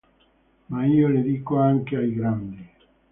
Ma io le dico anche ai grandi.